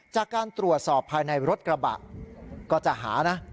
จากการตรวจสอบภายในรถกระบะก็จะหานะ